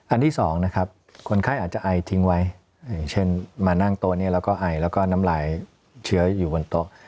ที่สองนะครับคนไข้อาจจะไอทิ้งไว้อย่างเช่นมานั่งโต๊ะนี้แล้วก็ไอแล้วก็น้ำลายเชื้ออยู่บนโต๊ะ